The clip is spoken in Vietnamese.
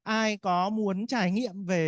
ai có muốn trải nghiệm về